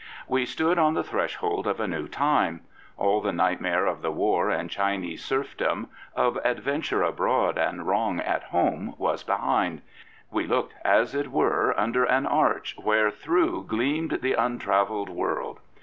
We stood on the threshold of a new time. AU the nightmare of the war and Chinese serfdom, of adven ture abroad and wrong at home, was behind. We looked, as it were, under an arch, wherethrough Gleamed the untravelled world.